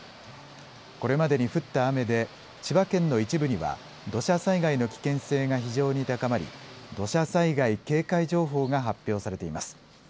これまでに降った雨で、千葉県の一部には、土砂災害の危険性が非常に高まり、土砂災害警戒情報が発表されています。